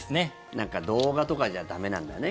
なんか動画とかじゃ駄目なんだね。